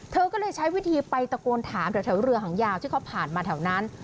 เธอก็เลยใช้วิธีไปตะโกนถามแถวเรือหางยาวที่เขาผ่านมาแถวนั้น